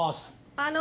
あの。